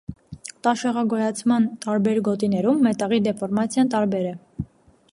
Տաշեղագոյացման տարբեր գոտիներում մետաղի դեֆորմացիան տարբեր Է։